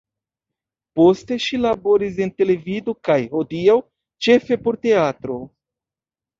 Poste, ŝi laboris en televido kaj, hodiaŭ, ĉefe por teatro.